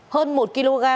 hơn một kg